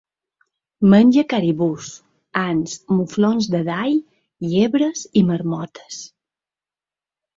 Menja caribús, ants, muflons de Dall, llebres i marmotes.